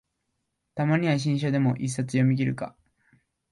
たまには新書でも一冊読みきるか